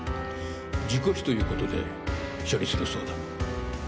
事故死という事で処理するそうだ。